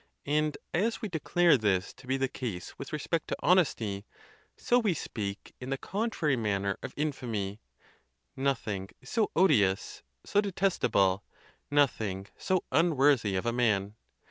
And as we declare this to be the case with respect to honesty, so we speak in the contra ry manner of infamy; nothing is so odious, so detesta ble, nothing so unworthy of aman.